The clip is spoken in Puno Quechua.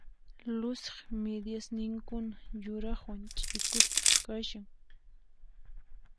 Luciq midiasninkuna yuraqwan ch'ikusqa kashan.